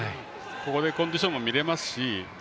ここでコンディションも見られますし。